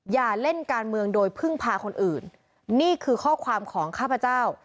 อย่าเล่นการเมืองโดยพึ่งพาคนอื่นนี่คือข้อความของข้าพเจ้า